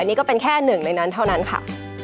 นี่ก็เป็นแค่หนึ่งในนั้นเท่านั้นค่ะ